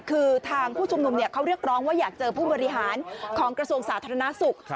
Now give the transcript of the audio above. คือทางผู้ชุมนุมเขาเรียกร้องว่าอยากเจอผู้บริหารของกระทรวงสาธารณสุข